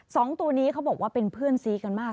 สองตัวนี้เขาบอกว่าเป็นเพื่อนซีกันมาก